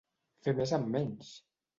Fer més amb menys!